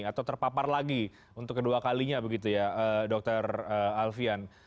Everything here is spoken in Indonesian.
atau terpapar lagi untuk kedua kalinya begitu ya dokter alfian